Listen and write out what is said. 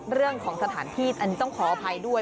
เรื่องของสถานที่อันนี้ต้องขออภัยด้วย